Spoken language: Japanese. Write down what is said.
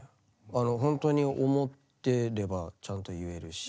ほんとに思ってればちゃんと言えるし。